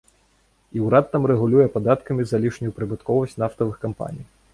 І ўрад там рэгулюе падаткамі залішнюю прыбытковасць нафтавых кампаній.